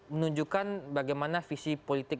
menunjukkan bagaimana visi politik